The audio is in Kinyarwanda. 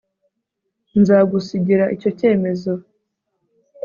nzagusigira icyo cyemezo